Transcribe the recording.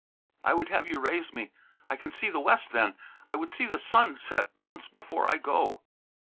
"I would have you raise me; I can see the West then: I would see the sun set once before I go."